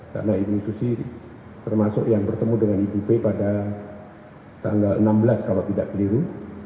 karena ibu susi termasuk yang bertemu dengan ibu p pada tanggal enam belas kalau tidak keliru